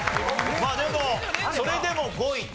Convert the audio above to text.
まあでもそれでも５位と。